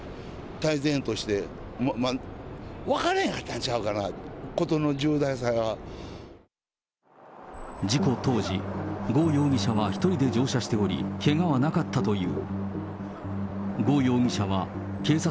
もう泰然として、分からなかった事故当時、呉容疑者は１人で乗車しており、けがはなかったという。